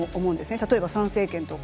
例えば参政権とか。